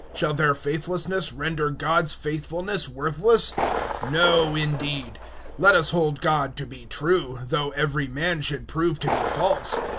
Shall their faithlessness render God's faithfulness worthless? 003:004 No, indeed; let us hold God to be true, though every man should prove to be false.